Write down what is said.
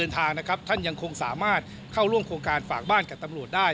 ทางนะครับท่านยังคงสามารถเข้าร่วมโครงการฝากบ้านกับตำรวจได้